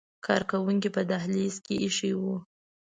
کارکوونکو په دهلیز کې ایښي وو.